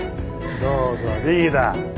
どうぞリーダー。